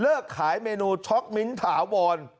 ลือกขายเมนูช็อคมิ้นถาวร